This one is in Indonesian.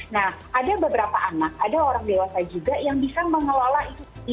nah ada beberapa anak ada orang dewasa juga yang bisa mengelola itu sendiri